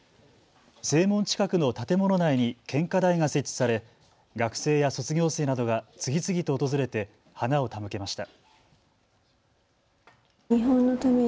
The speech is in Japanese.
正門近くの建物内に献花台が設置され、学生や卒業生などが次々と訪れて花を手向けました。